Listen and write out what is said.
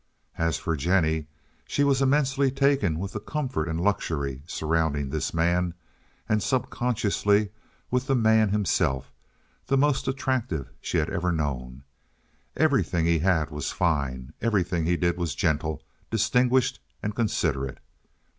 As for Jennie, she was immensely taken with the comfort and luxury surrounding this man, and subconsciously with the man himself, the most attractive she had ever known. Everything he had was fine, everything he did was gentle, distinguished, and considerate.